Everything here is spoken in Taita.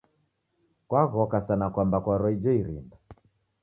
Kwaghoka sana kwamba kwarwa ijo irinda